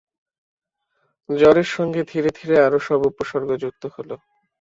জ্বরের সঙ্গে ধীরে-ধীরে আরো সব উপসর্গ যুক্ত হল।